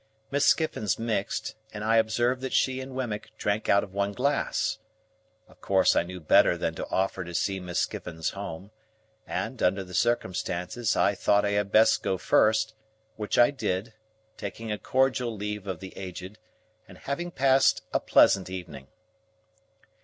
Miss Skiffins mixed, and I observed that she and Wemmick drank out of one glass. Of course I knew better than to offer to see Miss Skiffins home, and under the circumstances I thought I had best go first; which I did, taking a cordial leave of the Aged, and having passed a pleasant evening.